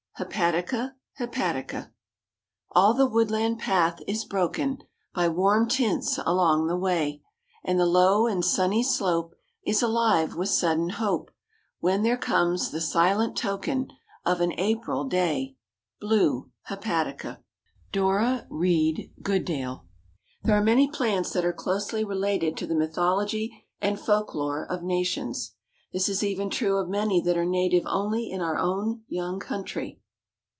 (Hepatica hepatica.) All the woodland path is broken By warm tints along the way, And the low and sunny slope Is alive with sudden hope, When there comes the silent token Of an April day— Blue hepatica. —Dora Read Goodale. There are many plants that are closely related to the mythology and folklore of nations. This is even true of many that are native only in our own young country.